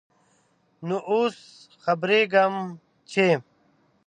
نوو اوس خبريږم ، چې ...